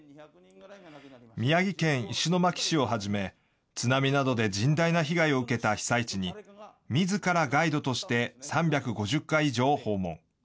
宮城県石巻市をはじめ、津波などで甚大な被害を受けた被災地に、みずからガイドとして３５０回以上訪問。